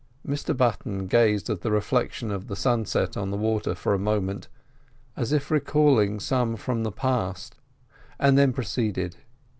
Mr Button gazed at the reflection of the sunset on the water for a moment as if recalling some form from the past, and then proceeded.